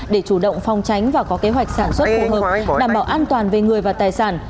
để chủ động phong tránh và có kế hoạch sản xuất phù hợp đảm bảo an toàn về người và tài sản